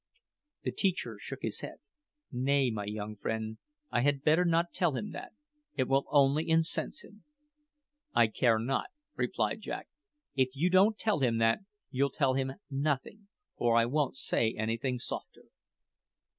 The teacher shook his head. "Nay, my young friend, I had better not tell him that: it will only incense him." "I care not," replied Jack. "If you don't tell him that, you'll tell him nothing, for I won't say anything softer."